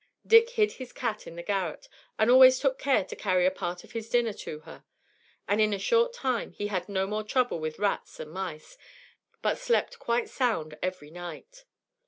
Dick hid his cat in the garret, and always took care to carry a part of his dinner to her; and in a short time he had no more trouble with the rats and mice, but slept quite sound every night.